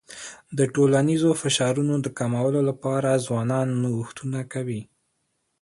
د ټولنیزو فشارونو د کمولو لپاره ځوانان نوښتونه کوي.